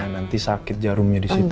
nanti sakit jarumnya disitu